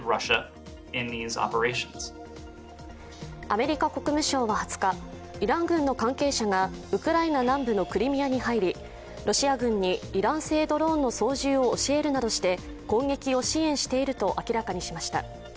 アメリカ国務省は２０日、イラン軍の関係者がウクライナ南部のクリミアに入りロシア軍にイラン製ドローンの操縦を教えるなどして、攻撃を支援していると明らかにしました。